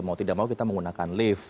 mau tidak mau kita menggunakan lift